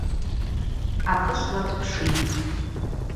Ахъышвла дпшитӏ.